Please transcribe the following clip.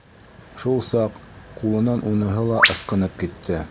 Шул саҡ ҡулынан уныһы ла ысҡынып китте.